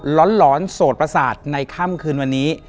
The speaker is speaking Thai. ร้อนโสดประสาทในค่ำคืนวันนี้